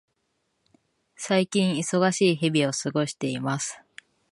最近、忙しい日々を過ごしています。